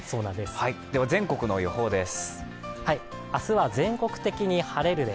全国の予報です。